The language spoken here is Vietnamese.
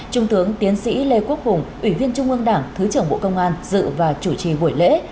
trung tướng tiến sĩ lê quốc hùng ủy viên trung ương đảng thứ trưởng bộ công an dự và chủ trì buổi lễ